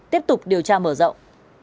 tiếp tục điều tra mở rộng